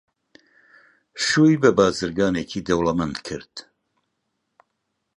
شووی بە بازرگانێکی دەوڵەمەند کرد.